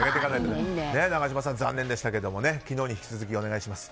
永島さん、残念でしたけど昨日に引き続きお願いします。